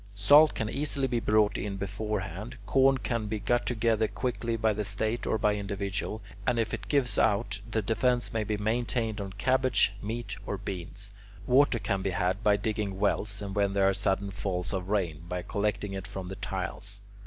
Salt can easily be brought in beforehand; corn can be got together quickly by the State or by individuals, and if it gives out, the defence may be maintained on cabbage, meat, or beans; water can be had by digging wells, or when there are sudden falls of rain, by collecting it from the tiles.